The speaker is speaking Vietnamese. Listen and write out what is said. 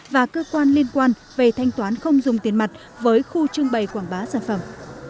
và cơ quan liên quan về thanh toán không dùng tiền mặt với khu trưng bày quảng bá sản phẩm